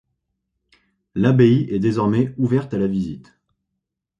L'abbaye est désormais ouverte à la visite.